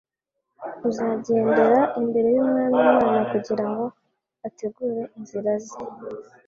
«uzagendera imbere y'Umwami Imana, kugira ngo ategure inzira ze. »